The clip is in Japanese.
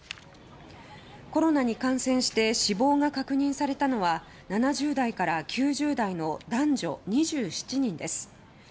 コロナに感染して死亡が確認されたのは７０代から９０代の男女２７人です。